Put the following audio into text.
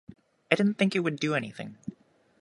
I didn't think it would do anything.